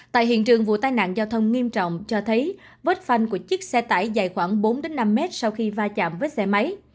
tại hiện trường vụ tai nạn giao thông nghiêm trọng cho thấy vết phanh của chiếc xe tải dài khoảng bốn năm mét sau khi va chạm với xe máy